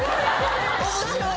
面白い！